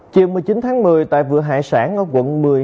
chiều một mươi chín tháng một mươi tại vựa hải sản ở quận một mươi